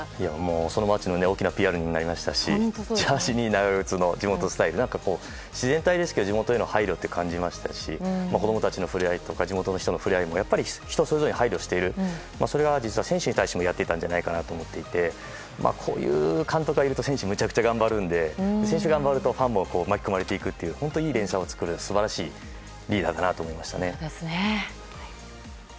その町の大きなＰＲにもなりましたしジャージに長靴の地元スタイルの自然体に地元への配慮を感じましたし子供たちのふれあいとか地元の人たちの触れ合い人それぞれに配慮しているそれが選手に対してもやっていたんじゃないかなと思いましてこういう監督がいると選手はむちゃくちゃ頑張るので選手が頑張るとファンもお巻き込まれている本当に素晴らしい連鎖を作る本当に素晴らしいリーダーかなと思いました。